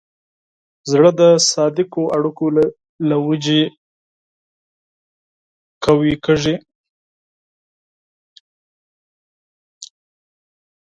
زړه د صادقو اړیکو له وجې قوي کېږي.